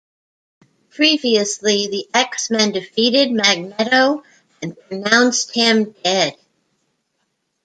Previously, the X-Men defeated Magneto and pronounced him dead.